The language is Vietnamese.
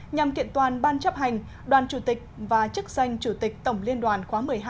nhằm kiện toàn ban chấp hành đoàn chủ tịch và chức danh chủ tịch tổng liên đoàn khóa một mươi hai